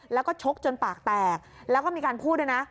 แล้วก็ชกจนปากแตกแล้วก็มีการพูดด้วยนะ